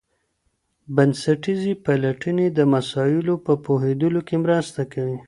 بنسټیزي پلټني د مسایلو په پوهیدلو کي مرسته کوي.